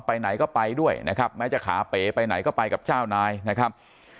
ไปไหนก็ไปด้วยนะครับแม้จะขาเป๋ไปไหนก็ไปกับเจ้านายนะครับ